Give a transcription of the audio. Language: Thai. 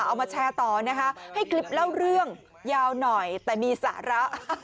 เอามาแชร์ต่อนะคะให้คลิปเล่าเรื่องยาวหน่อยแต่มีสาระ